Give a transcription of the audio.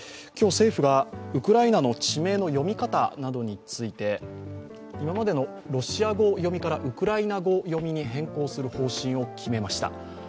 今日、政府がウクライナの地名の読み方などについて今までのロシア語読みからウクライナ語読みに変更する方針を決めました。